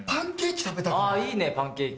いいねパンケーキ。